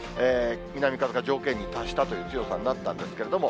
南風が条件に達したという強さになったんですけれども。